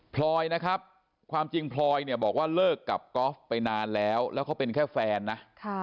พลอยนะครับความจริงพลอยเนี่ยบอกว่าเลิกกับก๊อฟไปนานแล้วแล้วเขาเป็นแค่แฟนนะ